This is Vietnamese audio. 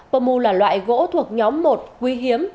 bơ mu là loại gỗ thuộc nhóm một quý hiếm